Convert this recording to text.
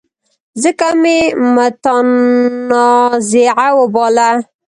ځکه مې متنازعه وباله.